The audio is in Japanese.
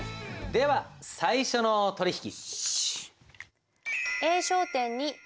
では最初の取引。